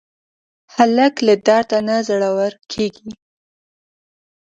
هلک له درده نه زړور کېږي.